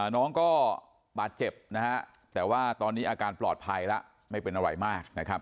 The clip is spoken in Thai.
น้องก็บาดเจ็บนะฮะแต่ว่าตอนนี้อาการปลอดภัยแล้วไม่เป็นอะไรมากนะครับ